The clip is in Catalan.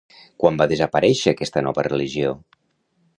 Quan va desaparèixer aquesta nova religió?